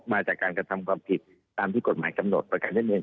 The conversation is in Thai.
มาจากการกระทำความผิดตามที่กฎหมายกำหนดประกันนั่นเอง